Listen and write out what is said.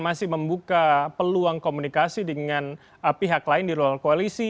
masih membuka peluang komunikasi dengan pihak lain di luar koalisi